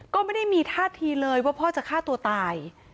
ก็ไม่ได้มีท่าทีเลยว่าพ่อจะฆ่าตัวตาย